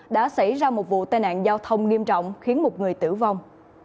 đã xảy ra một vụ tai nạn giao thông nghiêm trọng khiến một người tử vong